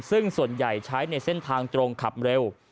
ซึ่งส่วนใหญ่ใช้ในเส้นทางตรงขับเร็ว